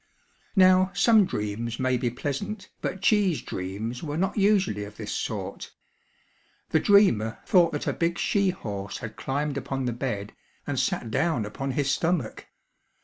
Now some dreams may be pleasant, but cheese dreams were not usually of this sort. The dreamer thought that a big she horse had climbed upon the bed and sat down upon his stomach.